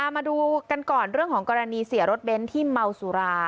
มาดูกันก่อนเรื่องของกรณีเสียรถเบ้นที่เมาสุรา